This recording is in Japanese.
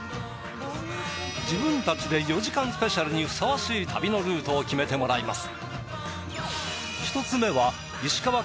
自分たちで４時間スペシャルにふさわしい旅のルートを決めてもらいます。